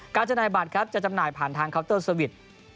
จำหน่ายบัตรครับจะจำหน่ายผ่านทางเคาน์เตอร์สวิตช์